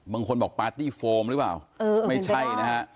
บางคนบอกปาร์ตี้โฟมรึว่าไม่ใช่นะครับ